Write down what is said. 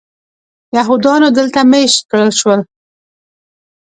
یهودیانو دلته مېشت کړل شول.